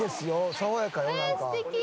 爽やかよなんか。